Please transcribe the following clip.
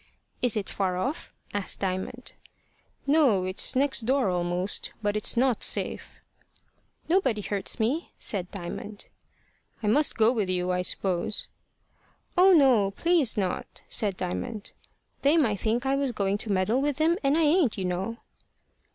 "Is it far off?" asked Diamond. "No. It's next door almost. But it's not safe." "Nobody hurts me," said Diamond. "I must go with you, I suppose." "Oh, no! please not," said Diamond. "They might think I was going to meddle with them, and I ain't, you know."